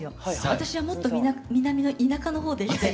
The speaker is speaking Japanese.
私はもっと南の田舎の方でして。